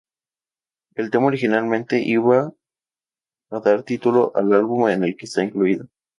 El tema originalmente iba a dar título al álbum en el que está incluido.